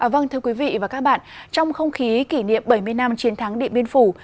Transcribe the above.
vâng thưa quý vị và các bạn trong không khí kỷ niệm bảy mươi năm chiến thắng điện biên phủ